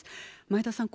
前田さん